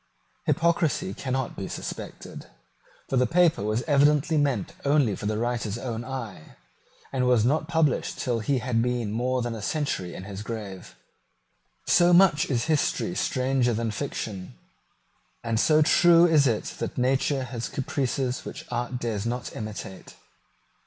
Hypocrisy cannot be suspected: for the paper was evidently meant only for the writer's own eye, and was not published till he had been more than a century in his grave. So much is history stranger than fiction; and so true is it that nature has caprices which art dares not imitate.